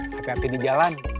hati hati di jalan